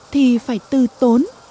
thì phải tư tốn